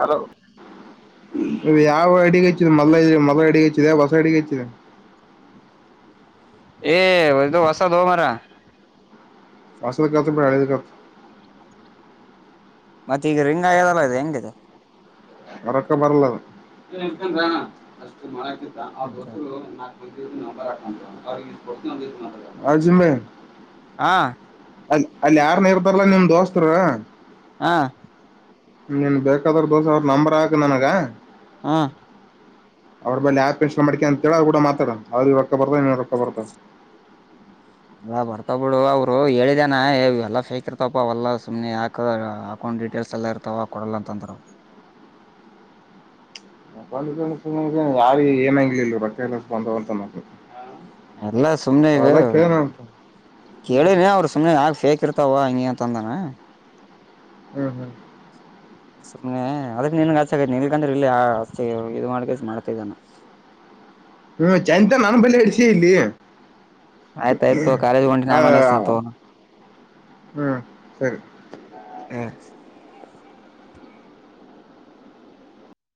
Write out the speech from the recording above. hello ಯಾವ ಅಡಿಗೆ ಹೆಚ್ಚಿದೆ ಮೊದಲ ಇದ ಮೊದಲ ಅಡಡಿಿಗೆ ಹಚ್ಚಿದೆಾವ ಹೊಸ ಅಡಿಗೆ ಹೆಚ್ಚಿದೆ ಏ ಇದು ಹೊಸದು ಮಾರಾಯ [unintelligible] ಮತ್ತ್ ಈಗ ರಿಂಗಾಗ್ಯಾದಲ್ಲ ಇದ ಹೆಂಗಿದ ರಕ್ಕ ಬರಲ್ಲದ [unintelligible] [unintelligible] ಹಾ ಅಲ್ ಅಲ್ಲಿ ಯಾರ್ನ ಇರ್ಬಾರಲ್ಲಾ ನಿಮ್ ದೋಸ್ತರ ಹಾ ನೀನ್ ಬೇಕಾದವ್ರ ದೋಸ ಅವ್ರ ನಂಬರ್ ಹಾಕ್ ನನಗ ಹೂಂ ಅವ್ರ ಬಲ್ಲಿ ಆ್ಯಪ್ ಇನ್ಸ್ಟಾಲ್ ಮಾಡ್ಕೆ ಅಂತ್ಹೇಳ ಅವರಿಗೂಡ ಮಾತಾಡನ್ನ ಅವ್ರಿಗೂ ರೊಕ್ಕ ಬರ್ತದ ನಿಂಗೂ ರೊಕ್ಕ ಬರ್ತದ [inaudible] ಇ ಬರ್ತಾವ ಬಿಡು ಅವರು ಹೇಳಿದೇನಾ ಎಲ್ಲಾ ಫೇಕ್ ಇರ್ತಾವ್ಪಾ ಅವಲ್ಲಾ ಸುಮ್ನೆ ಯಾಕ ಹಾಕೊಂಡ್ ಡೀಟೇಲ್ಸ್ ಎಲ್ಲ ಇರ್ತಾವ ಕೊಡಲ್ಲ ಅಂತ ಅಂತಂದ್ರವ [unintelligible] ಯಾರಿಗ್ ಏನಾಗಿಲ್ ಇಲ್ಲೆ ರೊಕ್ಕ ಬಂದವಂತನ್ನಾಕ ಎಲ್ಲ ಸುಮ್ನೆ ಇದ ಅಂತ ಹ್ಮ್ ಕೇಳಿನಿ ಅವರು ಸುಮ್ನೆ ಯಾಕ ಫೇಕ್ ಇರ್ತಾವ ಹಂಗೆ ಅಂ ತಂದನ ಹ್ಮ್ ಹ್ಮ್ ಸುಮ್ನೆ ಅದ ನಿನ್ಗಚ ಆಗೈ ನಿಲ್ಗಂದ್ರೆ ಇಲ್ಲಿಷ್ಟ ಇದು ಮಾಡ ಮಾಡ್ತಾಿದ್ದಾನ ಹ್ಮ್ ಚಂಜ್ ತನ ನನ್ ಬಲ್ಲಿ ಹಡ್ಸಿ ಇಲ್ಲಿ ಆಯ್ತಾಯ್ತು ಕಾಲೇಜ್ ಹೊಂಟಿನ ಆಮೇಲೆ ಹಚ್ತೀನಿ ತಗೋ [unintelligible] ಹ್ಮ್ ಸರಿ ಹಾ